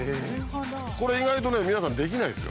これ意外とね皆さんできないですよ。